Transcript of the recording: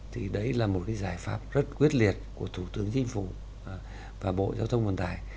thì đấy là một cái giải pháp rất quyết liệt của thủ tướng chính phủ và bộ giao thông vận tải